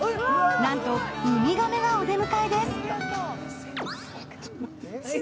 なんとウミガメがお出迎えです。